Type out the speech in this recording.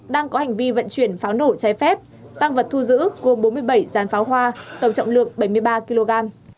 đang có hành vi vận chuyển pháo nổ trái phép tăng vật thu giữ gồm bốn mươi bảy giàn pháo hoa tổng trọng lượng bảy mươi ba kg